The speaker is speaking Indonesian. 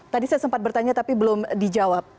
tadi saya sempat bertanya tapi belum dijawab